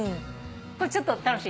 これちょっと楽しい。